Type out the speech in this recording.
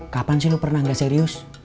kapan sih lo pernah gak serius